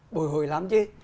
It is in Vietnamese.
bồi hồi lắm chứ